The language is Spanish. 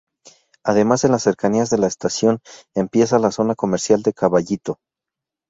Además en las cercanías de la estación empieza la zona comercial de Caballito.